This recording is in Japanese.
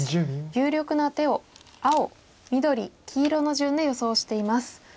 有力な手を青緑黄色の順で予想しています。